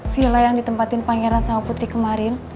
villa yang ditempatin pangeran sama putih kemarin